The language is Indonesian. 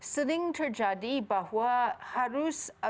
sering terjadi bahwa harus